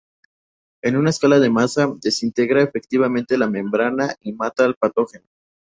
En una escala de masa, desintegra efectivamente la membrana y mata al patógeno.